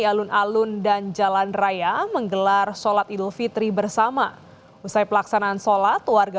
alun alun dan jalan raya menggelar sholat idul fitri bersama usai pelaksanaan sholat warga